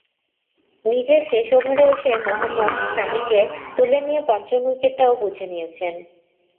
নিজের শেষ ওভারে এসে মোহাম্মদ সামিকে তুলে নিয়ে পঞ্চম উইকেটটাও বুঝে নিয়েছেন।